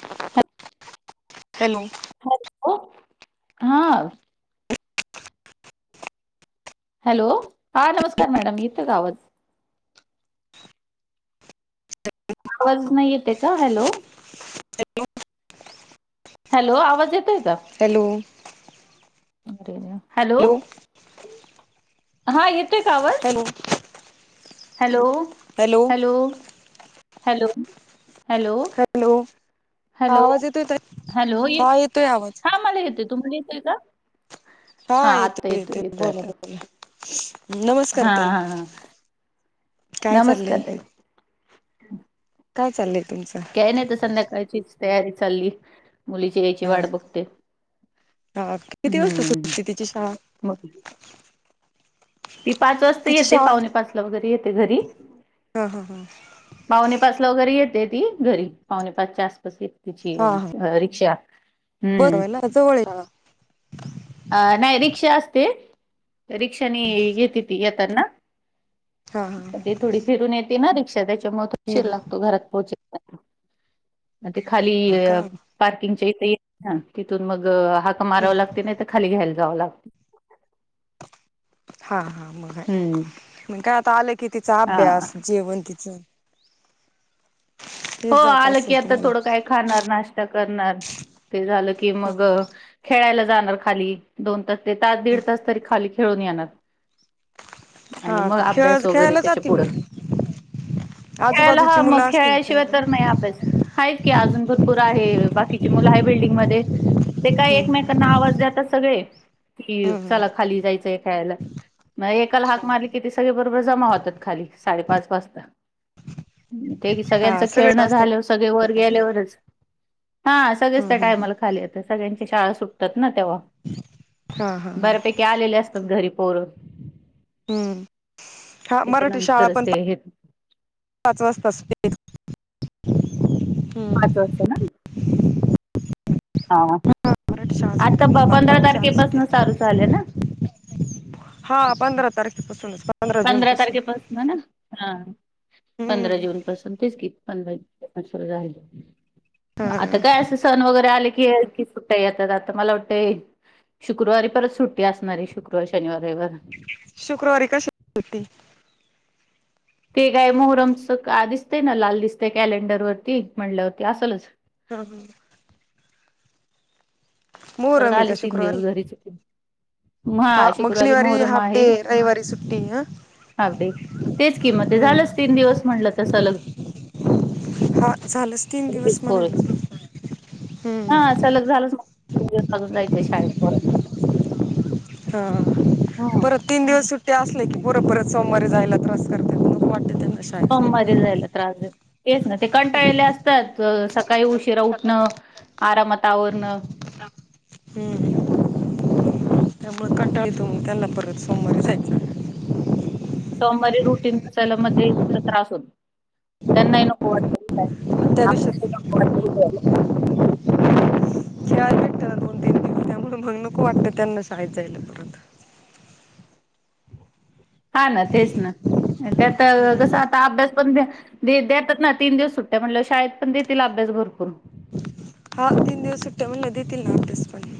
Hello? Hello. हो. हा. Hello, हा नमस्कार मॅडम येतोय का आवाज? आवाज नाही येतोय का, हॅलो? हॅलो. हॅलो, आवाज येतोय. का हॅलो. हॅलो हा येतो hello? Hello? Hello? Hello? Hello? Hello हा हॅलो? आवाज येतोय ताई हॅलो, हा येतोय आवाज हा मला येतेय तुम्हाला येतय का? हा, येतोय येतोय, बोला बोला. नमस्कार हा ताई, हा हा काय नमस्कार चाललंय? ताई काय चाललंय तुमचं काय नाही, तर संध्याकाळचीच तयारी चालली. मुलीची यायची हा वाट बघते हा किती वाजता हम्म सुटते तिची शाळा म मग ती पाच वाजता तिची येते शाळा पावणे पाचला वगैरे येते घरी हा हा हा भाऊनी पासला वगैरे येते ती घरी पावणे पाचच्या आसपास येते तिची रिक्षा बर हम्म घरा जवळ आहे का अ नाही रिक्षा असते रिक्षानी येते ती येताना हा हा ते थोडी फिरून येते ना रिक्षा त्याच्यामुळे त उशीर हम्म लागतो घरात पोहचे ते खाली हा का पार्किंगचे तिथून मग हाक माराव हम्म लागत नाही तर खाली घ्यायला जावं लागत हा हा मग हाय हम्म आहे मग काय आता आलं की तिचा हा अभ्यास जेवण तिचं हो तेच जात आलं की असेल आता तुम्हाला थोडं काय खाणार नाश्ता करणार ते झालं की हम्म मग खेळायला जाणार खाली दोन तास ते तास दीड हम्म तास तरी खाली खेळून येणार आणि हा मग का अभ्यास खेळ वगैरे खेळायला त्याच्या जाते पुढं होय खेळायला आजूबाजूची हा मग मुलं असतील खेळाशिवाय खेळायला तर हम्म नाहीस अभ्यास आहे की अजून भरपूर आहे बाकीची मुलं आहे बिल्डिंगमध्ये ते काय हम्म एकमेकांना आवाज देतात सगळे कि हम्म चला खाली जायचं आहे खेळायला म एकाला हाक हम्म मारली किती सगळे बरोबर जमा होतात खाली साडेपाच वाजता ते सगळेच हा खेळणं असतात झाल्यावर सगळे वर गेल्यावर हा सगळेच हम्म त्या हम्म टाइमला खाली येतात शाळा सुटतात ना तेव्हा हा हा हा बऱ्यापैकी आलेल्या असतात घरी पोर हम्म हा मराठी शाळा पण [unintelligible] पाच वाजताच पाचच ना हा मराठी आता ब सुटेना पंधरा बातपाव चार तारखेपासून चालू झाले ना सुटेल हा पंधरा तारखे पासूनच पंधरा पणर हम्म हा आता काय अस सण वगै [unintelligible] रे आले की सुट्टय येता जाता आता मला वाटतय शुक्रवारी परत सुट्टी असणारी शुक्रवार, शनिवार, रविवारी शुक्रवारी कशाची सुट्टी ते काय मोहरमच का दिसतय ना लाल दिसत कॅलेंडर वरती म्हणतल्यावरती असलच हा ह परत आहे का आलेच तीन शुक्रवारी दिवस घरीच आहे हा महा मग शुक्रवारी शनिवारी मोहरम हाफ आहे डे रविवारी सुट्टी हा अवडे तेच किंमत आहे झालंच हम्म तीन दिवस म्हणलं सलग हा झालंच तीन दिवस म्हणाल हम्म तीन दिवस जायचे शाळेत परत हा परत मरे जायला क्रस करते वाटते त्यांना पं मध्ये जायला त्रासच देत तेच ना ते कंटाळले असतात जस हम्म [unintelligible] त्यामुळं कंटाळतो त्यांना परत सोमवारी जायचं सोमवारी रुटीन असायला मध्ये जास्त त्रास होतो त्यांनाही नको वाटत काय त्या आपेक्षा ही दिवशी नको वाटती या रुप चटत दोन तीन दिवस त्यामुळं मग नको वाटत त्यांना शाळेत जायला परत [unintelligible] हा ना तेच ना. त्यात कसं आता अभ्यास पण देतात ना. तीन दिवस सुट्ट्या म्हणल्यावर शाळेत पण देतील अभ्यास भरपूर. हा तीन दिवस सुट्ट्या म्हणल्यावर, देतील ना अभ्यास पण.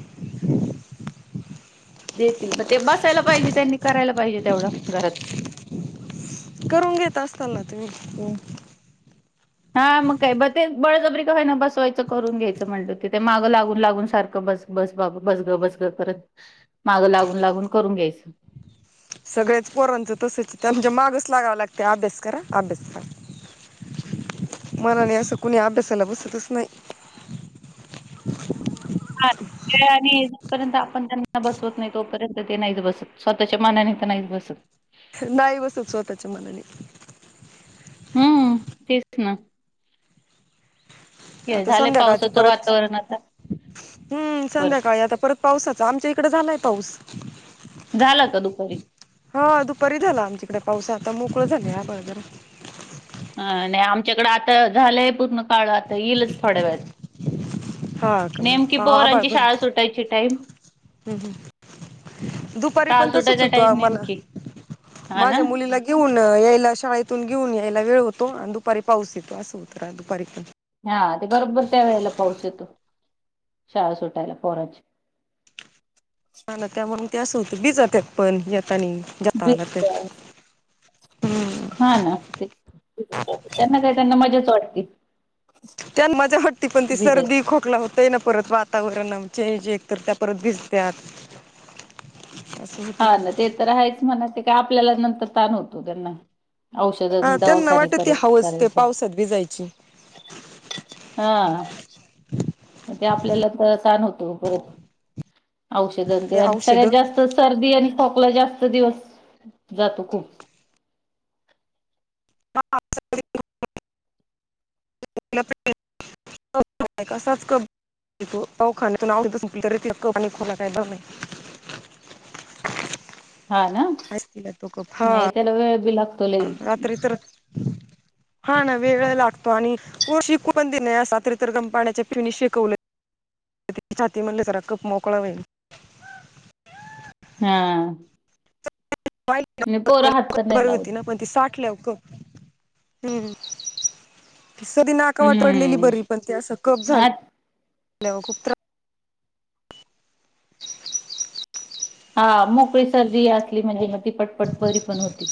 देतील पण ते बसायला पाहिजे, त्यांनी करायला पाहिजे तेवढं घरात. करून घेत असताल ना तुम्ही? हम्म. [inaudible] हा मग काय बते बळजबरी का होईना बसवायचं करून घ्यायचं म्हणटलं तिथे मागं लागून लागून सारखं बस बस बाबा बस गं बस गं करत मागं लागून लागून करून घ्यायचं. [inaudible] सगळ्याच पोरांचं तसंचं त्यांच्या मागच लागावं लागते, अभ्यास करा, अभ्यास करा. मनाने असं कोणी अभ्यासाला बसतच नाही. हा. आणि जोपर्यंत आपण त्यांना बसवत नाही, तोपर्यंत ते नाही बसत. स्वतःच्या मनाने त नाहीच बसत. नाही बसत स्वतःच्या मनाने. हम्म तेच ना. हे आता झालंय संध्याकाळची पावसाचं परत. वातावरण आता हम्म परत संध्याकाळी आता परत पावसाचा आमच्या इकड झालाय पाऊस. झालं का दुपारी? हा दुपारी झाला आमच्याईकड. पाऊस आता मोकळं झालंय आभाळ जरा. अं नाही आमच्याकडें आता झालंय पूर्ण काळं, आता येईलच थोड्या वेळात. हा का नेमकी मग पोरांची शाळा सुटायची टाइम हम्म हम्म. दुपारी शाळा पण तसच सुटायचा होतो टाईम आम्हाला. नेमकी हा माझ्या ना. मुलीला घेऊन यायला शाळेतून घेऊन यायला वेळ होतो आण दुपारी पाऊस येतो, असं होत दुपारी पण. हा ते बरोबर त्या वेळेला पाऊस येतो, शाळा सुटायला पोराची. हा ना त्या म्हून ते अस होत भिजत्यात पण येताना जात आला त्या हा ना ते, त्यांना काय त्यांना मजाच वाटती. त्याना मजा वाटंती, पण ती सर्दी खोकला हो ते ना परत वातावरण चेन्ज, एक तर त्या परत भिजत्यात. असं हा होतय ना ते तर हायेच म्हणा, ते काय आपल्याला नंतर ताण होतो त्यांचा हा औषधन त्यांना दवाखाने वाटत ती करत हवस ते करायच. पावसात भिजायची हा ते आपल्याला तर ताण होतो. परत औषधंन ते आणि सगळ्यात जास्त सर्दी आणि खोक ला जास्त दिवस जातो, खूप [unintelligible] [unintelligible] कसाच कप अवो खाण्यातून [unintelligible] तरी तिला कफ आणि खोकला काही बन न्हई. [inaudible] हा ना? नाही त्याला वेळ बी लागतो. लई हा रात्री तरर हा ना वेळहि लागतो. आणि पोर शेकू पण देत नाही. असा रात्री तर गरम पाण्याच्या पिऊने शेकवलंय. छाती मधला जरा कप मोकळा होईल. हां. [unintelligible] नाही बरं लावत होती ना, पण ती साठल्याव कफ हम्म. ती सर्दी नाका वाट पडलेली हम्म. बरी. पण ते असं कप आ झाल्यावर खूप त्रास हा मोकळी सर्दी असली म्हणजे मग ती पटपट बरी पण होते.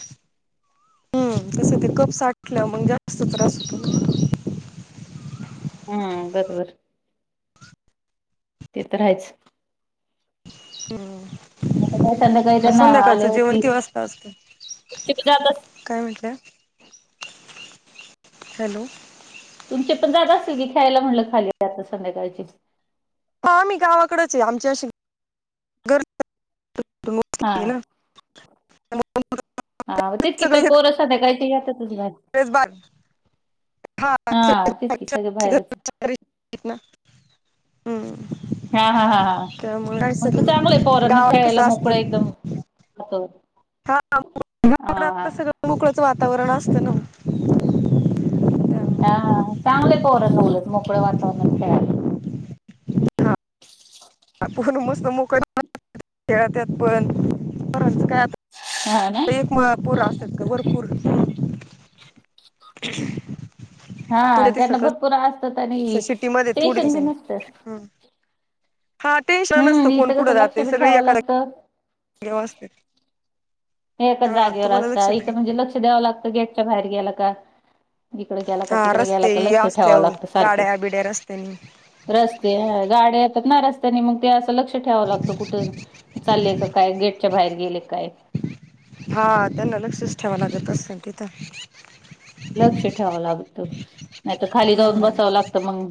हम्म तसं ते कप साठल्याव मं ग जास्त त्रास होतो. हम्म बरबर ते तर आहेच. आता हम्म् काय संध्याकाळी म त्यांना संध्याकाळचं आल्या जेवण होती किती वासता असतय? तुमचे पण जात अस काय म्ह [unintelligible] हॅलो. तुमचे पण जात असल की, ख्यायला म्हणलं खाली [unintelligible] संध्याकाळची हा आम्ही गावाकडेच ये, आमची अशी हा [unintelligible] [unintelligible] ना [unintelligible] हा तेच की, प सगळे पोर संध्याकाळची जात्यात [unintelligible] हा तेच की सगळे बाहेरच [unintelligible] हम्म हा, हा, हा, हा. त्यामुळे काय मंग त चांगलय सगळे पोरांना गावाकडे खेळायला कसं मोकळ असतं एकदम [unintelligible] हा हा [unintelligible] सगळं मोकळच वातावरण असत ना त्यामुळे चांगलय पोरांना उलट मोकळ्या वातावरणात खेळायला हा. आ पण मस्त मोक [unintelligible] खेळात्यात, पोरानं पोरांच काय आता हा ना एक म पोर असत्यात का भरपूर, हम्म हा त्यांना [unintelligible] भरपूर असतात आणि [unintelligible] शिटीमध्ये थोडी टेन्शन [unintelligible] बी नसतं. हम्म हा टेन्शन नसतं, हम्म कोण इथं कसं कुठं लक्ष जाते बी सगळी ठेवावं यकडे लागतं. व्यवस्थित एका जागेवर असता, इथं म्हणजे लक्ष द्यावं लागतं गेटच्या बाहेर गेल का इकड गेला का, हा तिकड गेला रस्ते का, लक्ष ठेवावं असल्यावर लागत गाड्या सारखंच बिड्या रस्त्यानी रस्ते अ गाड्या येतात ना रस् त्यानी मग ते असं लक्ष ठेवाव लागतं, कुठं चालले का काय, गेटच्या बाहेर गेले काय हा त्यांना लक्षच ठेवाव लागत असन तिथं लक्ष ठेवाव लागत, नाही तर खाली जाऊन हम्म बसावं लागत मंग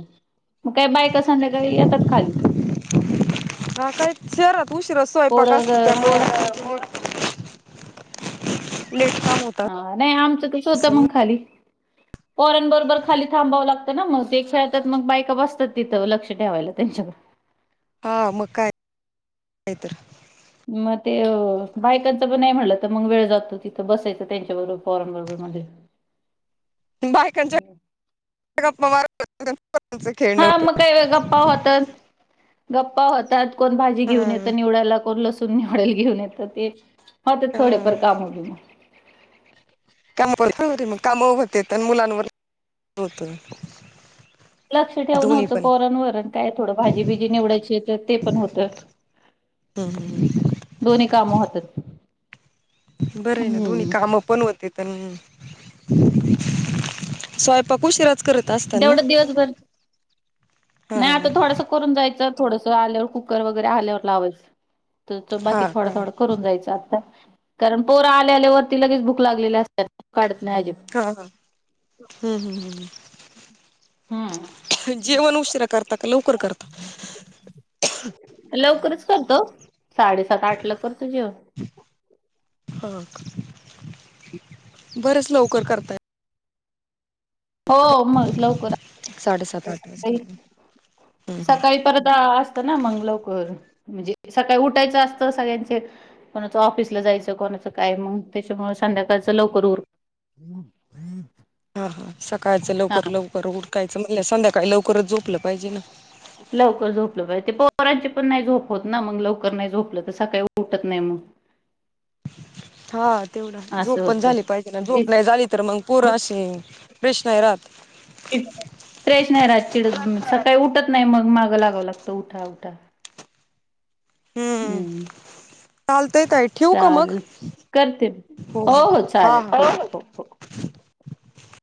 मग काय बायका संध्याकाळी येतात खाली हा काय शहरात उशीरा सोयपाक असतो पोरं पोर त्यामुळ [unintelligible] हा नाई आमचं कस होत असेल मंग खाली [inaudible] पोरांन बरोबर खाली थांबावं लागतं ना, मग ते खेळातात मग बायका बसतात तिथं लक्ष ठेवायला त्यांच्याक हा मग काय काय तर म ते बायकांच पण नाही म्हणलं तर मग वेळ जातो, तिथं बसायचं त्यांच्याबरोबर पोरांन बरोबर मधे बायकांच्या गप्पा मार [unintelligible] हा मग काही अ गप्पा होतात. गप्पा होतात, कोण भाजी हा घेऊन येतं निवडायला, कोण लसूण निवडायला घेऊन येतं ते हा ते थोडेफार काम [unintelligible] काम [unintelligible] काम होत्यात अन मुलांवर [unintelligible] होतय लक्ष ठेव न होतं पोरांवर, काय थोडं भाजीबीजी निवडायची तर ते पण होतय. [unintelligible] दोन्ही काम होतात. बरं ये ना दोन्ही हम्म काम पण होते. तन स्वयंपाक उशीराच तेवढं दिवसभर, नाई आता हा थोडस करून जायचं थोडस आल्यावर कुकर वगैरे आल्यावर लावायच. ते त बाकी हा थोडा काय थोडा करून जायचं आता कारण पोरं आल्या आल्या वरती लगेच भूक लागलेल्या असतात काड हा हा, हम्म हम्म् हू हम्म. जेवण उशीरा करता का लवकर करता? लवकरच करतो साडेसात आठ ला करतो जेवण. [unintelligible] [unintelligible] बरेच लवकर करताय. हो मग लवकर साडेसात आठ वाजता. [unintelligible] सकाळी परत आसत ना मं लवकर. म्हजे सकाळी उठायचं असतं सगळ्यांचे कोणाचं ऑफिसला जायचं कोणाचं काय मग त्याच्यामुळे संध्याकाळच लवकर उर. हा सकाळचं हा लवकर लवकर उरकायचं म्हण संध्याकाळी लवकरच झोपलं पाहिजे ना. लवकर झोपलं पाहि ते पो पोरांची पण नाही झोप होत ना मग लवकर नाय झोपलं तर सकाळी उठत नाय मग. हा तेवढ झोप असं पण होतंय. झाली पाहिजे ना झोप नाही झाली तर मग पोर अशी फ्रेश नाई रात. प्रेश नाई रा चिड सकाळी उठत नाही मग मागं लागावं लागत उठा उठा. हम्म चालतय ताई ठेवू का मग? चालेल करते. हो हो चालेल ओके. [unintelligible]